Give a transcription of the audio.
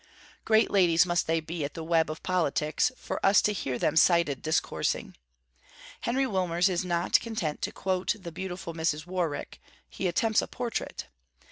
Great ladies must they be, at the web of politics, for us to hear them cited discoursing. Henry Wilmers is not content to quote the beautiful Mrs. Warwick, he attempts a portrait.